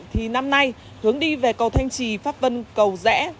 thì năm nay hướng đi về cầu thanh trì pháp vân cầu rẽ